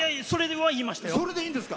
それは言いましたよ。